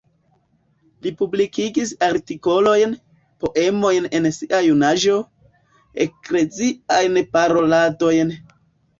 Li publikis artikolojn, poemojn en sia junaĝo, ekleziajn paroladojn.